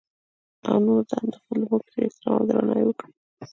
او هـم نـورو تـه د خـپلې مـور پـه څـېـر احتـرام او درنـاوى وکـړي.